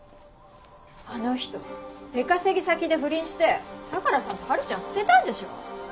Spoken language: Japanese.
あの人出稼ぎ先で不倫して相良さんと波琉ちゃん捨てたんでしょ？